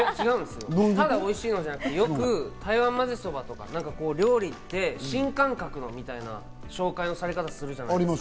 ただおいしいのじゃなく、料理って新感覚のみたいな、紹介のされ方するじゃないですか。